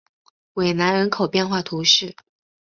韦南人口变化图示